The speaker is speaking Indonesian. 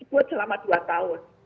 pesantren tersebut selama dua tahun